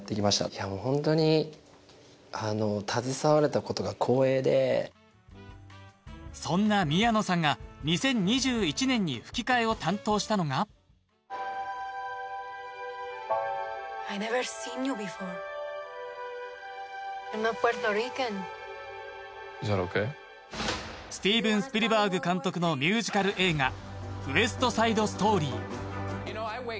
いやもうホントにあの携われたことが光栄でそんな宮野さんが２０２１年に吹き替えを担当したのがスティーブン・スピルバーグ監督のミュージカル映画「ウエスト・サイド・ストーリー」